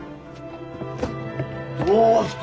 どうした？